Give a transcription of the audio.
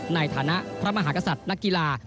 ในฐานะพระมหากษัตริย์นักกีฬา